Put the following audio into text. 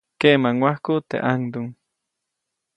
Keʼmaŋwajku teʼ ʼaŋduŋ.